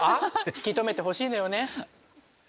引き止めてほしいのよね。